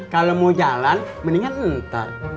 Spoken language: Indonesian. kalau mau jalan mendingan ntar